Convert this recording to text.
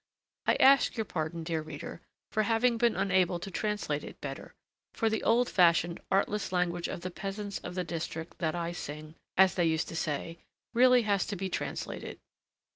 I ask your pardon, dear reader, for having been unable to translate it better; for the old fashioned, artless language of the peasants of the district that I sing as they used to say really has to be translated.